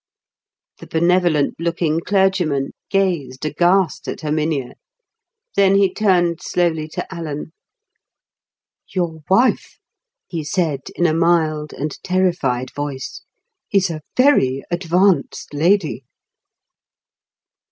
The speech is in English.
The benevolent looking clergyman gazed aghast at Herminia. Then he turned slowly to Alan. "Your wife," he said in a mild and terrified voice, "is a very advanced lady."